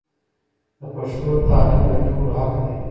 د پښتو تعلیم د ټولو حق دی.